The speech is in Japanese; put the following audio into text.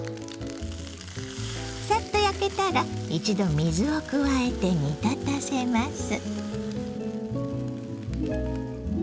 さっと焼けたら一度水を加えて煮立たせます。